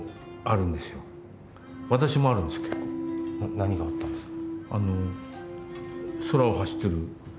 何があったんですか？